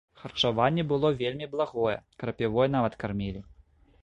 Харчаванне было вельмі благое, крапівой нават кармілі.